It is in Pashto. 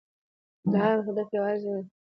د هغه هدف یوازې د طلا موندل نه وو.